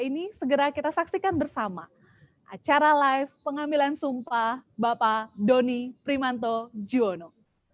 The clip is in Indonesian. ini segera kita saksikan bersama acara live pengambilan sumpah bapak doni primanto jiono